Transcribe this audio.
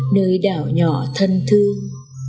nơi đảo nhỏ thân thương